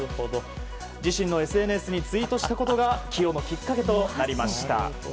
自身のＳＮＳにツイートしたことが起用のきっかけとなりました。